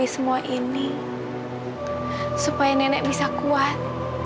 sampai nenek bisa kuat